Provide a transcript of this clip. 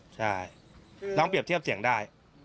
ใช่ลองเปรียบเทียบเสียงได้